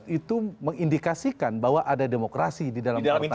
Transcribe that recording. itu mengindikasikan bahwa ada demokrasi di dalam partai